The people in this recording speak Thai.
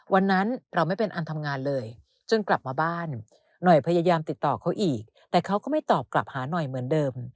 วันนั้นเราไม่เป็นอันทำงานเลยจนกลับมาบ้านหน่อยพยายามติดต่อเขาอีกแต่เขาก็ไม่ตอบกลับหาหน่อยเหมือนเดิม